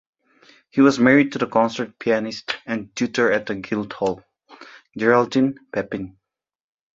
He was married to the concert pianist and tutor at the Guildhall, Geraldine Peppin.